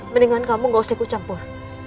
mendingan kamu gak usah ikut campur